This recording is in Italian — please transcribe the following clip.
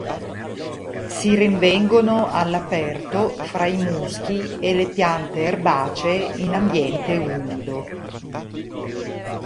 Si rinvengono all'aperto fra i muschi e le piante erbacee in ambiente umido.